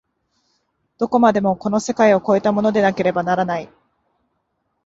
どこまでもこの世界を越えたものでなければならない。